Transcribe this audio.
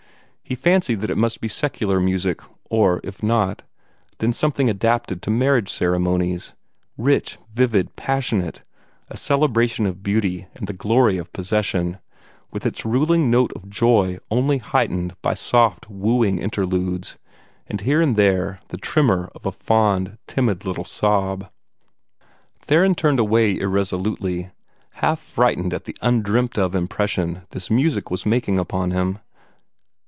He fancied that it must be secular music, or, if not, then something adapted to marriage ceremonies rich, vivid, passionate, a celebration of beauty and the glory of possession, with its ruling note of joy only heightened by soft, wooing interludes, and here and there the tremor of a fond, timid little sob. Theron turned away irresolutely, half frightened at the undreamt of impression this music was making upon him.